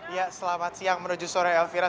ya selamat siang menuju sore elvira